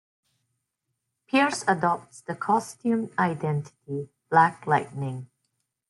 Pierce adopts the costumed identity "Black Lightning".